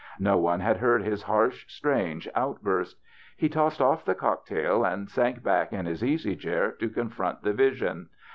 No one had heard his harsh, strange outburst. He tossed off the cocktail and sank back in his easy chair to confront the vision.